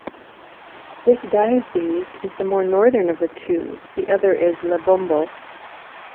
This diocese is the more Northern of the two, the other is Lebombo.